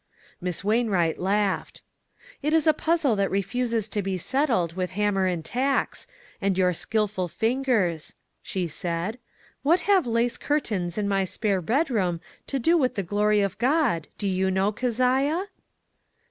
Miss Wainwright laughed. "It is a puzzle that refuses to be settled with hammer and tacks, and your skilful fingers," she said. " What have lace curtains in my spare bedroom to do with the glory of God, do you know, Keziah